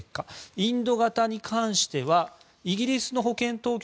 インド型に関してはイギリスの保健当局